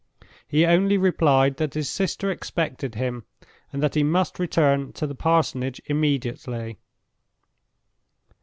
He only replied that his sister expected him, and that he must return to the parsonage immediately.